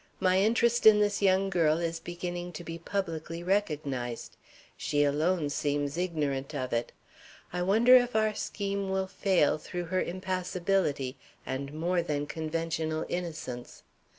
My interest in this young girl is beginning to be publicly recognized. She alone seems ignorant of it. Sometimes I wonder if our scheme will fail through her impassibility and more than conventional innocence.